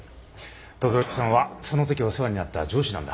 轟さんはそのときお世話になった上司なんだ。